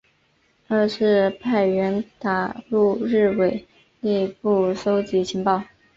二是派员打入日伪内部搜集情报。